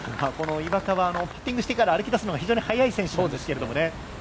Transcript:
岩田、パッティングしてから歩きだすまでが非常に早い選手なんですけどね。